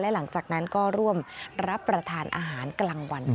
หลังจากนั้นก็ร่วมรับประทานอาหารกลางวันด้วย